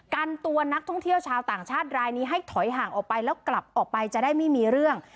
กันตัวนักท่องเที่ยวชาวต่างชาติรายนี้ให้ถอยห่างออกไปแล้วกลับออกไปจะได้ไม่มีเรื่อง